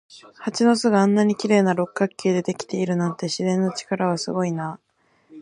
蜂の巣があんなに綺麗な六角形でできているなんて、自然の力はすごいなあ。